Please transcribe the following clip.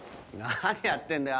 何やってんだよ？